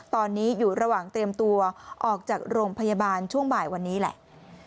ตอนนี้อยู่ระหว่างเตรียมตัวออกจากโรงพยาบาลช่วงบ่ายวันนี้แหละ